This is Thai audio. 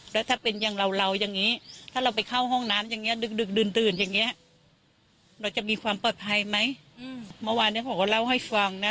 ดื่นอย่างเงี้ยเราจะมีความปลอดภัยไหมอืมเมื่อวานเนี้ยเขาก็เล่าให้ฟังนะ